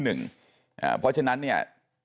เพราะฉะนั้นเนี่ย